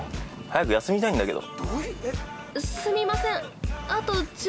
早く休みたいんだけど。